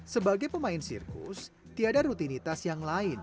sebagai pemain sirkus tiada rutinitas yang lain